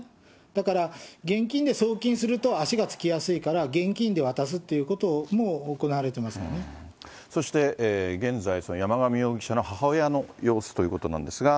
だから現金で送金すると足がつきやすいから、現金で渡すというこそして、現在、山上容疑者の母親の様子ということなんですが。